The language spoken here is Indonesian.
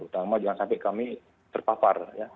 terutama jangan sampai kami terpapar ya